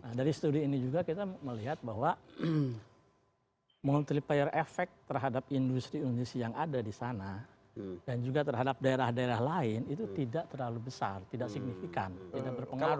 nah dari studi ini juga kita melihat bahwa multiplier efek terhadap industri industri yang ada di sana dan juga terhadap daerah daerah lain itu tidak terlalu besar tidak signifikan tidak berpengaruh